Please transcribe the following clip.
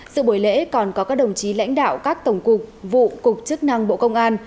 sự buổi lễ còn có các đồng chí lãnh đạo các tổng cục vụ cục chức năng bộ công an